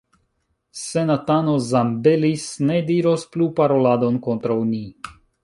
Senatano Zambelis ne diros plu paroladon kontraŭ ni.